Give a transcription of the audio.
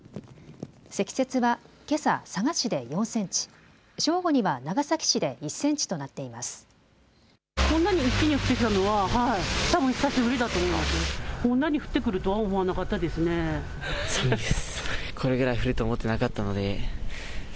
積雪はけさ佐賀市で４センチ、正午には長崎市で１センチとなっています。